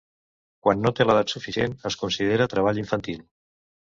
Quan no té l'edat suficient, es considera treball infantil.